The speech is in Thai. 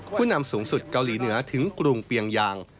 ผู้นำสูงสุดเกาหลีเหนือถึงกรุงเปียงยาง